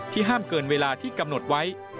ห้ามเกินเวลาที่กำหนดไว้